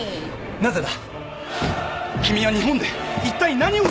なぜだ？